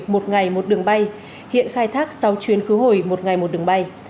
một ngày một đường bay hiện khai thác sáu chuyến khứ hồi một ngày một đường bay